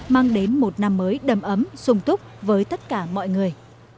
mang đến một năm mới đầm ấm sung túc với tất cả mọi người